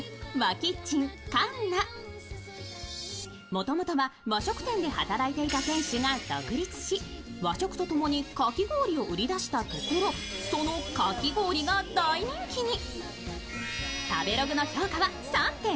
もともとは和食店で働いていた店主が独立し和食と共にかき氷を売り出したところ、そのかき氷が大人気に。